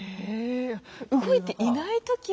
動いていない時を。